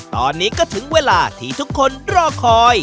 ตอนนี้ก็ถึงเวลาที่ทุกคนรอคอย